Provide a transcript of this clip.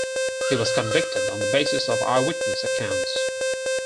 He was convicted on the basis of eyewitness accounts.